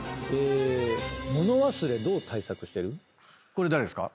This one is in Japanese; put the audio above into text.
これ誰ですか？